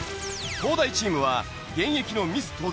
東大チームは現役のミス